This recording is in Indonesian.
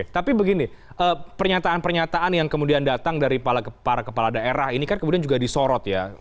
tapi begini pernyataan pernyataan yang kemudian datang dari para kepala daerah ini kan kemudian juga disorot ya